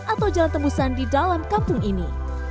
atau jalan tembusan di dalam kampung ini